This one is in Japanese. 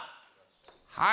はい。